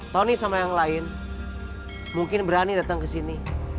tony sama yang lain mungkin berani datang ke sini